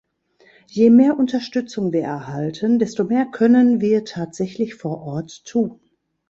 Je mehr Unterstützung wir erhalten, desto mehr können wir tatsächlich vor Ort tun.